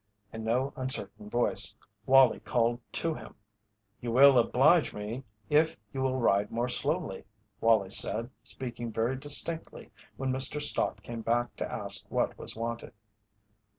In no uncertain voice Wallie called to him. "You will oblige me if you will ride more slowly," Wallie said, speaking very distinctly when Mr. Stott came back to ask what was wanted.